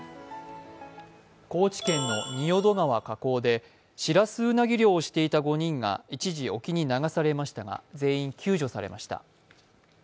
高知県の仁淀川河口でシラスウナギ漁をしていた５人が一時、沖に流されましたが、全員救助されました。